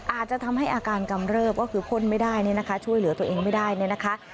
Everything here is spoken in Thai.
อาจจะทำให้อาการกำเริบก็คือพ่นไม่ได้ช่วยเหลือตัวเองไม่ได้